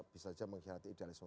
bisa saja mengkhianati idealisme